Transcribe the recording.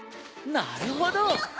なるほど！